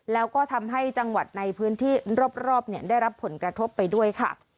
แล้วก็ทำให้จังหวัดในพื้นที่รอบได้รับผลกระทบไปด้วยค่ะ